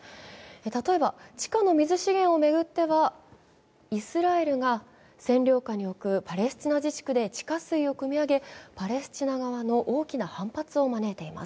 例えば地下の水資源を巡ってはイスラエルが占領下に置くパレスチナ自治区で地下水をくみ上げパレスチナ側の大きな反発を招いています。